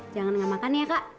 jangan nggak makan ya kak